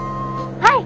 はい！